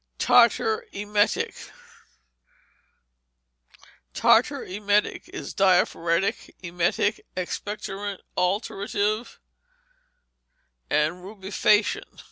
Tartar emetic Tartar emetic is diaphoretic, emetic, expectorant, alterative, and rubefacient.